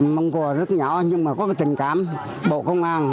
mong cùa rất nhỏ nhưng có trình cảm bộ công an